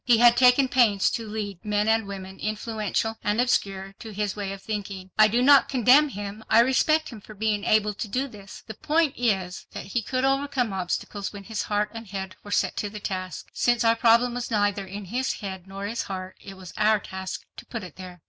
He had taken pains to lead men and women influential and obscure—to his way of thinking. I do not condemn him—I respect him for being able to do this. The point is that he dirt overcome obstacles when his heart and head were set to the task. Since our problem was neither in his head nor his heart, it was our task to put it there.